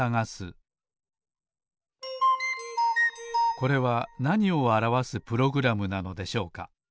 これはなにをあらわすプログラムなのでしょうか？